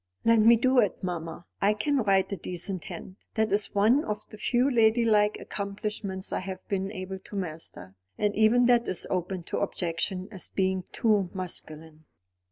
"Let me do it, mamma. I can write a decent hand. That is one of the few ladylike accomplishments I have been able to master; and even that is open to objection as being too masculine."